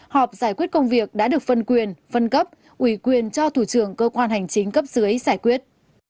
họp giải quyết công việc đã được phân quyền phân cấp ủy quyền cho thủ trưởng cơ quan hành chính cấp dưới giải quyết